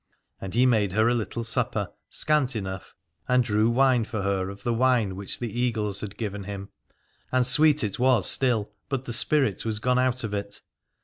And he made her a little supper, scant enough, and drew wine for her of the wine which the Eagles had given him : and sweet it was still, but the spirit was gone out of it.